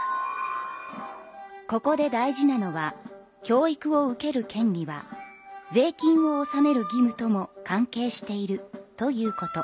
ここで大事なのは教育を受ける権利は税金を納める義務とも関係しているということ。